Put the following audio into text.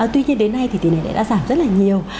tuy nhiên đến nay thì tỷ lệ này đã giảm rất là nhiều